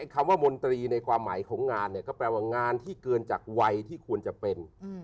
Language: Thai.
คำว่ามนตรีในความหมายของงานเนี่ยก็แปลว่างานที่เกินจากวัยที่ควรจะเป็น